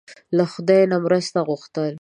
له خدای نه مرسته غوښتل دي.